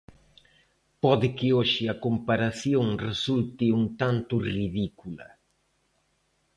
Pode que hoxe a comparación resulte un tanto ridícula.